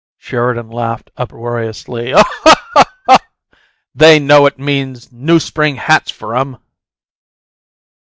Sheridan laughed uproariously. "They know it means new spring hats for 'em!"